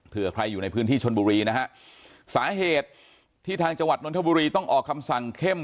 เพื่อใครอยู่ในพื้นที่ชนบุรีนะฮะสาเหตุที่ทางจังหวัดนทบุรีต้องออกคำสั่งเข้ม